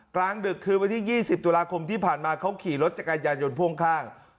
กลางดึกคืนวันที่๒๐ตุลาคมที่ผ่านมาเขาขี่รถจักรยานยนต์พ่วงข้าง